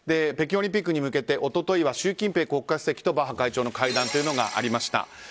北京オリンピックに向けて一昨日は習近平国家主席とバッハ会長の会談がありました。